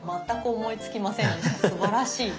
全く思いつきませんでした。